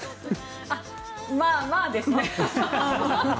まあまあですね。